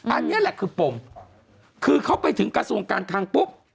อันนี้แหละคือปมคือเขาไปถึงกระทรวงการคังปุ๊บ